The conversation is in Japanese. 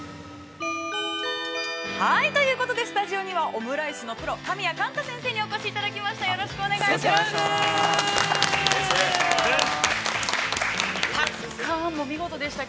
◆ということで、スタジオには、オムライスのプロ、神谷敢太先生にお越しいただきました。